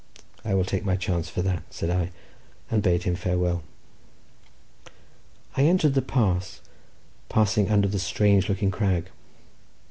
"I will take my chance for that," said I, and bade him farewell. I entered the pass, passing under the strange looking crag.